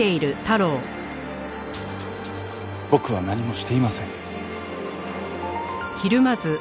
僕は何もしていません。